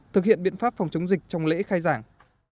thực hiện biện pháp phòng chống dịch trong lễ khai giảng